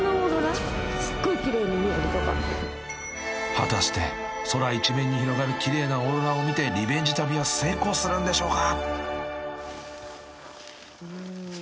［果たして空一面に広がる奇麗なオーロラを見てリベンジ旅は成功するんでしょうか！？］